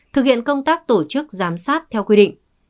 thực hiện công tác tổ chức giám sát theo quy định